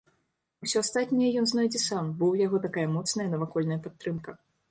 Усё астатняе ён знойдзе сам, бо ў яго такая моцная навакольная падтрымка.